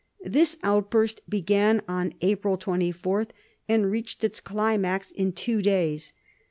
This outburst began on April 24, and reached its climax in two days.